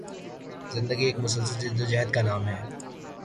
زندگی ایک مسلسل جدوجہد کا نام ہے